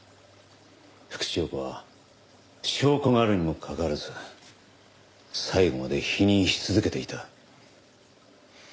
福地陽子は証拠があるにもかかわらず最後まで否認し続けていた。